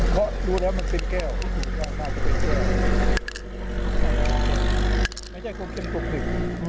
เพราะดูแล้วมันเป็นแก้วไม่ใช่โคบเข้มตกผลึก